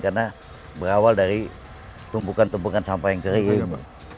karena berawal dari tumpukan tumpukan sampah yang kering